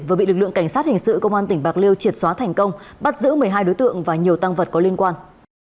vừa bị lực lượng cảnh sát hình sự công an tỉnh bạc liêu triệt xóa thành công bắt giữ một mươi hai đối tượng và nhiều tăng vật có liên quan